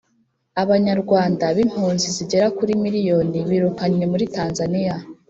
Abanyarwanda b’impunzi zigera kuri miliyoni birukanywe muri Tanzaniya